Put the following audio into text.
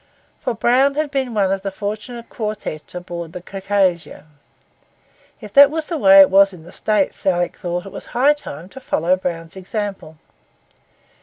For Brown had been one of the fortunate quartette aboard the Circassia. If that was the way of it in the States, Alick thought it was high time to follow Brown's example.